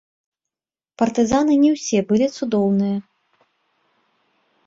Партызаны не ўсе былі цудоўныя.